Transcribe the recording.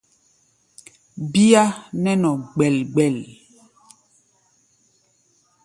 Bíá nɛ́ nɔ gbɛl-gbɛl.